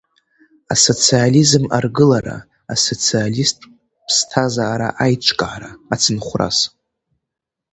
Асоциализм аргылара асоциалисттә ԥсҭазаара аиҿкаара ацынхәрас…